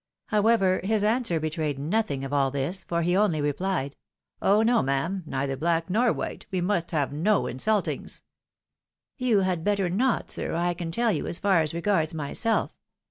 However, his answer betrayed nothing of all this, for he only replied, "Oh! no, ma'am, neither black nor white, we must have no insultings." " You had better not, sir, I can tell you, as far as regards myself.